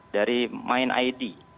dari main id